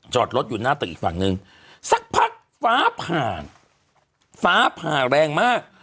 จอดรถอยู่หน้าตึกอีกฝั่งนึงสักพักฟ้าผ่าฟ้าผ่าแรงมาก